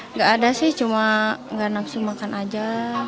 nggak ada sih cuma nggak nafsu makan aja